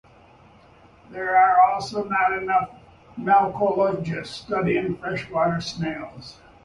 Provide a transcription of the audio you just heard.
There are also not enough malacologists studying freshwater snails.